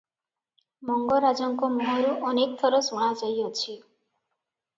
ମଙ୍ଗରାଜଙ୍କ ମୁହଁରୁ ଅନେକ ଥର ଶୁଣାଯାଇଅଛି